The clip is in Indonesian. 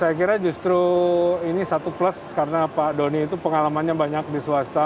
saya kira justru ini satu plus karena pak doni itu pengalamannya banyak di swasta